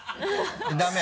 ダメ？